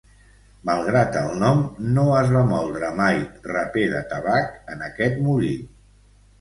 Malgrat el nom, no es va moldre mai rapè de tabac en aquest molí.